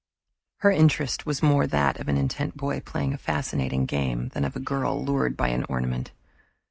Her interest was more that of an intent boy playing a fascinating game than of a girl lured by an ornament.